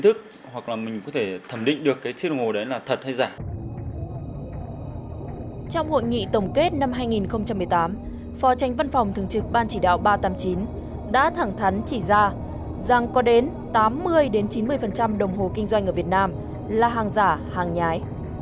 trong hội nghị tổng kết năm hai nghìn một mươi tám phó tranh văn phòng thường trực ban chỉ đạo ba trăm tám mươi chín đã thẳng thắn chỉ ra rằng có đến tám mươi chín mươi đồng hồ kinh doanh ở việt nam là hàng giả hàng nhái